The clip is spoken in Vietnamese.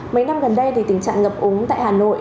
mấy năm gần đây thì tình trạng ngập úng tại hà nội